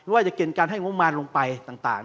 ว่าจะเกณฑ์การให้งบมารลงไปต่าง